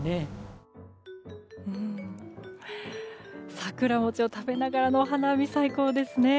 桜餅を食べながらのお花見最高ですね。